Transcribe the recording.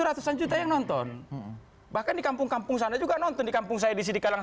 ratusan juta yang nonton bahkan di kampung kampung sana juga nonton di kampung saya di sidikalang